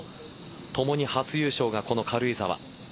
ともに初優勝がこの軽井沢。